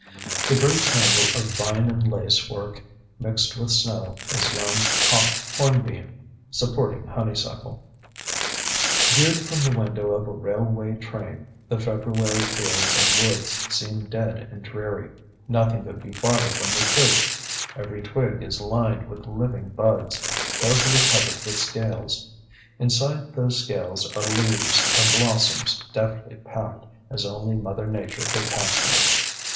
The great tangle of vine and lace work mixed with snow is young hop hornbeam, supporting honeysuckle. Viewed from the window of a railway train, the February fields and woods seem dead and dreary. Nothing could be farther from the truth. Every twig is lined with living buds, carefully covered with scales. Inside those scales are leaves and blossoms deftly packed, as only Mother Nature could pack them.